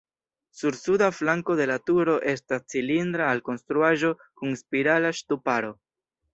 Sur suda flanko de la turo estas cilindra alkonstruaĵo kun spirala ŝtuparo.